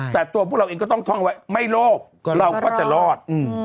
แต่ตัวพวกเราเองก็ต้องท่องไว้ไม่โลภเราก็จะรอด